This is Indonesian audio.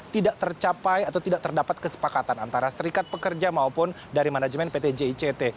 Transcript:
tidak tercapai atau tidak terdapat kesepakatan antara serikat pekerja maupun dari manajemen pt jict